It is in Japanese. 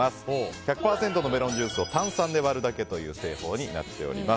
１００％のメロンジュースを炭酸で割るだけという製法になっております。